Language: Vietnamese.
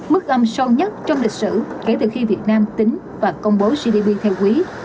mức âm sâu nhất trong lịch sử kể từ khi việt nam tính và công bố gdp theo quý